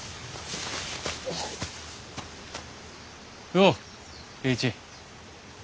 よう栄一。